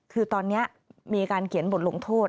คือตอนนี้มีการเขียนบทลงโทษ